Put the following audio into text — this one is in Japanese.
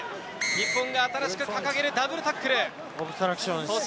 日本が新しく掲げるダブルタックル。